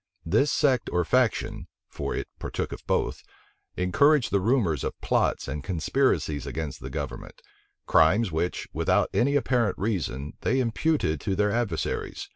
This sect or faction (for it partook of both) encouraged the rumors of plots and conspiracies against the government; crimes which, without any apparent reason, they imputed to their adversaries.